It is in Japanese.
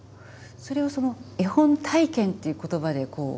それはその絵本体験っていう言葉でこう。